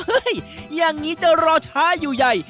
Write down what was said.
อย่างนี้จะรอช้าอยู่ใหญ่